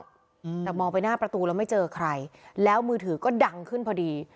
อืมแต่มองไปหน้าประตูแล้วไม่เจอใครแล้วมือถือก็ดังขึ้นพอดี